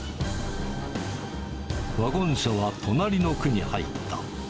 ワゴン車は隣の区に入った。